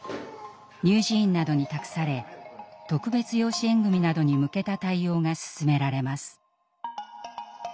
乳児院などに託され特別養子縁組などに向けた対応が進められます。